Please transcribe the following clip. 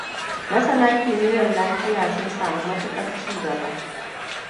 Masana kimiyyar lafiya sun sami matuƙar ci gaba.